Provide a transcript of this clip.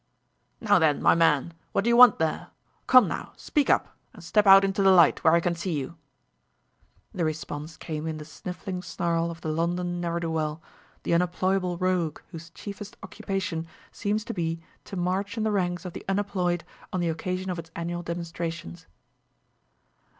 "Now then, my man, what do you want there? Come now, speak up, and step out into the light, where I can see you." The response came in the sniffling snarl of the London ne'er do well, the unemployable rogue whose chiefest occupation seems to be to march in the ranks of The Unemployed on the occasion of its annual demonstrations.